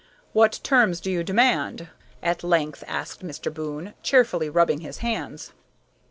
"What terms do you demand?" at length asked Mr. Boon, cheerfully rubbing his hands.